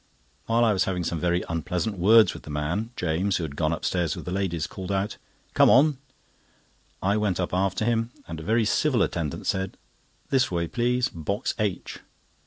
While I was having some very unpleasant words with the man, James, who had gone upstairs with the ladies, called out: "Come on!" I went up after them, and a very civil attendant said: "This way, please, box H."